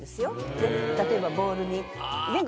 例えばボウルにね。